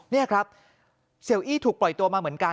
นี่ครับเสียอี้ถูกปล่อยตัวมาเหมือนกัน